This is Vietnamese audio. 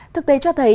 thực tế cho thấy